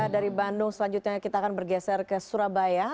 dari bandung selanjutnya kita akan bergeser ke surabaya